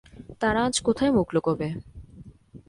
তারা আজ কোথায় মুখ লুকোবে?